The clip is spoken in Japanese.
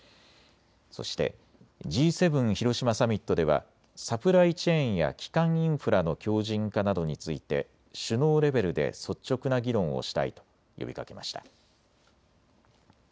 そしてＧ７広島サミットではサプライチェーンや基幹インフラの強じん化などについて首脳レベルで率直な議論をしたいと呼びかけました。